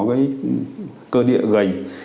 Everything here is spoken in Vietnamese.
cái cơ địa gầy